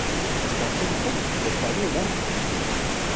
Ez taştê dixwim lê firavînê naxwim.